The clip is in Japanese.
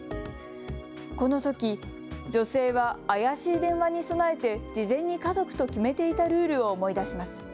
このとき女性は怪しい電話に備えて事前に家族と決めていたルールを思い出します。